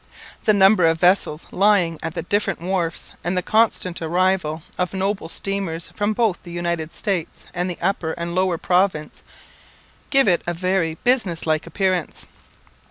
The number of vessels lying at the different wharfs, and the constant arrival of noble steamers both from the United States and the Upper and Lower Province, give it a very business like appearance.